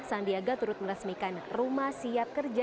sandiaga turut meresmikan rumah siap kerja